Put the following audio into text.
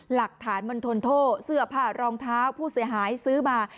หลักฐานมณฑลโทษเสื้อผ้ารองเท้าผู้เสียหายซื้อมา